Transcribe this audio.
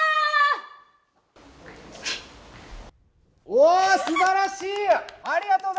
おお、すばらしい。